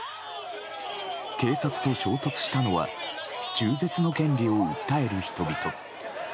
警察と衝突したのは中絶の権利を訴える人々。